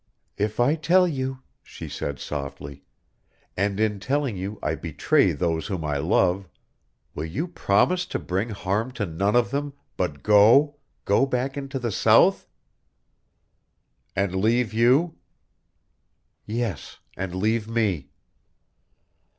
"If I tell you," she said softly, "and in telling you I betray those whom I love, will you promise to bring harm to none of them, but go go back into the South?" "And leave you?" "Yes and leave me."